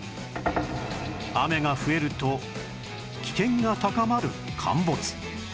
雨が増えると危険が高まる陥没